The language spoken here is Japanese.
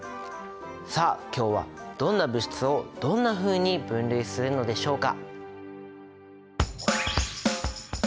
さあ今日はどんな物質をどんなふうに分類するのでしょうか？